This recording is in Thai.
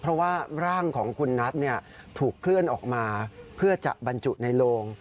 เพราะว่าร่างของคุณนัทถูกเคลื่อนออกมาเพื่อจะบรรจุในโลง